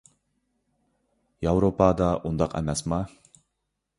ياۋروپادا ئۇنداق ئەمەسما؟